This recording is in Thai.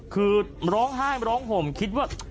คือร้องไห้ร้องห่มคิดว่า